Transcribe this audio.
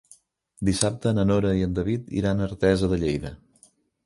Dissabte na Nora i en David iran a Artesa de Lleida.